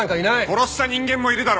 殺した人間もいるだろ！